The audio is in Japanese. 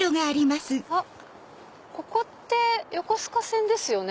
あっここって横須賀線ですよね。